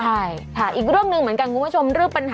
ใช่ค่ะอีกเรื่องหนึ่งเหมือนกันคุณผู้ชม